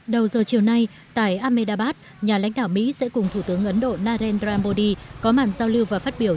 đầu giờ chiều nay tại ahmedabad nhà lãnh thảo mỹ sẽ cùng thủ tướng ấn độ narendra modi có mạng giao lưu và phát biểu